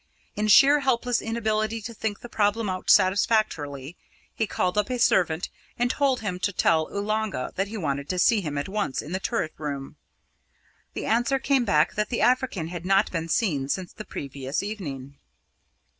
In sheer helpless inability to think the problem out satisfactorily, he called up a servant and told him to tell Oolanga that he wanted to see him at once in the turret room. The answer came back that the African had not been seen since the previous evening.